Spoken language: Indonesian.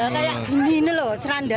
kayak gini loh seranda